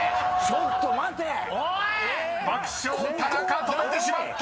［爆笑田中止めてしまった！］